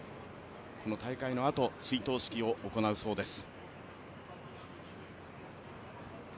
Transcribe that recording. この大会のあと、追悼式を行うそうです。